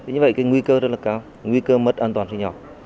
như vậy cái nguy cơ rất là cao nguy cơ mất an toàn sinh nhọc